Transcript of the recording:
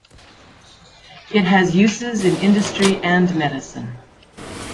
It has uses in industry and medicine.